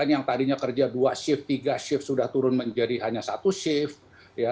yang tadinya kerja dua shift tiga shift sudah turun menjadi hanya satu shift